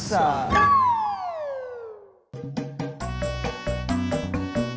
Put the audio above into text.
setelah seluruh petang itu